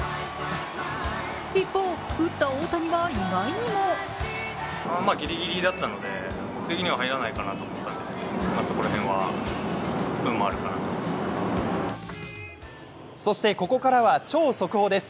一方、打った大谷は意外にもそしてここからは超速報です。